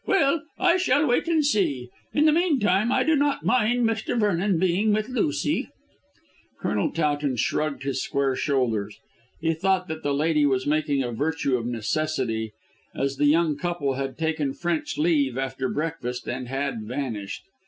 Well, I shall wait and see. In the meantime I do not mind Mr. Vernon being with Lucy." Colonel Towton shrugged his square shoulders. He thought that the lady was making a virtue of necessity, as the young couple had taken French leave after breakfast and had vanished.